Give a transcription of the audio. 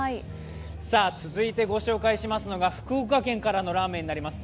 続いてご紹介しますのが福岡県からのラーメンになります。